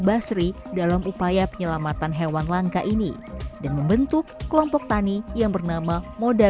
basri dalam upaya penyelamatan hewan langka ini dan membentuk kelompok tani yang bernama moda